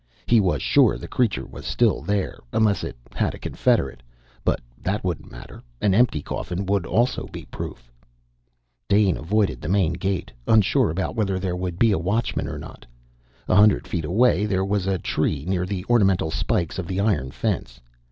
He was sure the creature was still there, unless it had a confederate. But that wouldn't matter. An empty coffin would also be proof. Dane avoided the main gate, unsure about whether there would be a watchman or not. A hundred feet away, there was a tree near the ornamental spikes of the iron fence.